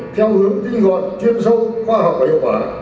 theo hướng tinh gọn chuyên sâu khoa học và hiệu quả